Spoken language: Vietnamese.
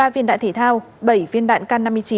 hai mươi ba viên đạn thể thao bảy viên đạn k năm mươi chín